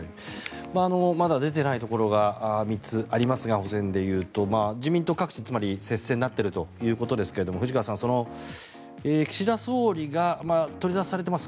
まだ出ていないところが３つありますが補選で言うと自民党各地、つまり接戦になっているということですが藤川さん、岸田総理が取り沙汰されています